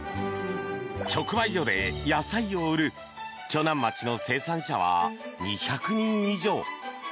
直売所で野菜を売る鋸南町の生産者は２００人以上。